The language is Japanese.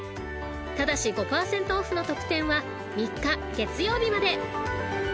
［ただし５％オフの特典は３日月曜日まで］